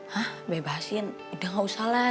hah bebasin udah gak usah lah